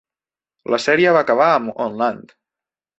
La sèrie va acabar amb "On Land".